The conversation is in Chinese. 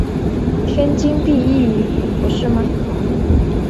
天经地义不是吗？